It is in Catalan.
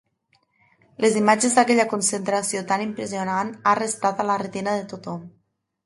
Les imatges d’aquella concentració tan impressionant han restat a la retina de tothom.